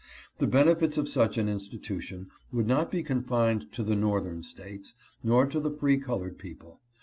The benefits of such an institution would not be confined to the Northern States, nor to the free colored people.